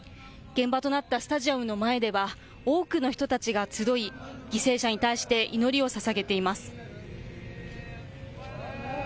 現場となったスタジアムの前では、多くの人たちが集い、犠牲者に対して祈りをささげています。